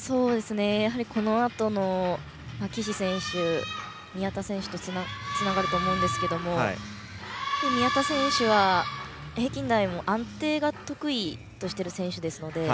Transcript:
このあとの岸選手宮田選手とつながると思うんですけども宮田選手は平均台も安定があって得意としている選手なので。